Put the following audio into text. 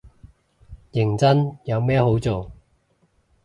認真，有咩好做